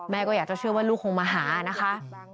แม่ก็อยากเชื่อว่าลูกคงมาหาอะนะคะ